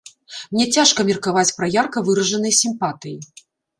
Мне цяжка меркаваць пра ярка выражаныя сімпатыі.